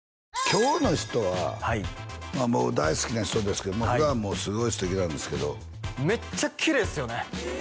今日の人はもう大好きな人ですけど普段もすごい素敵なんですけどめっちゃきれいっすよね！